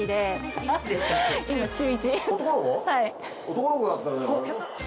男の子だったらね。